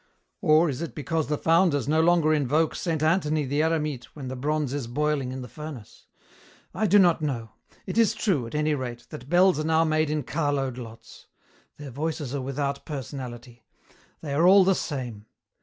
Or is it because the founders no longer invoke Saint Anthony the Eremite when the bronze is boiling in the furnace? I do not know. It is true, at any rate, that bells are now made in carload lots. Their voices are without personality. They are all the same.